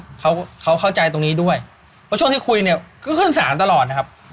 เพราะเขาเขาเข้าใจตรงนี้ด้วยเพราะช่วงที่คุยเนี่ยก็ขึ้นสารตลอดนะครับ